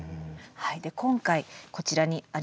で今回こちらにあります